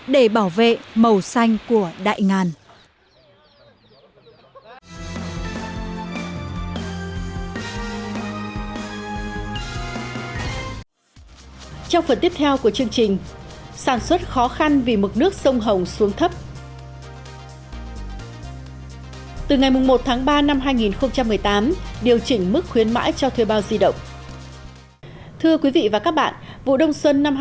để bảo vệ màu xanh của lực lượng